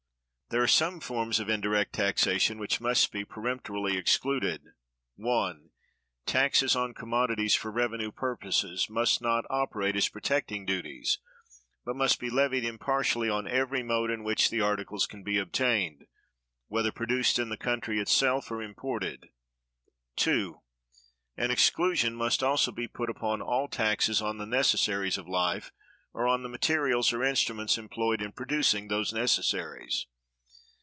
There are some forms of indirect taxation which must be peremptorily excluded. (1.) Taxes on commodities, for revenue purposes, must not operate as protecting duties, but must be levied impartially on every mode in which the articles can be obtained, whether produced in the country itself, or imported. (2.) An exclusion must also be put upon all taxes on the necessaries of life, or on the materials or instruments employed in producing those necessaries.